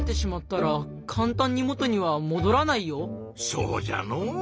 そうじゃの。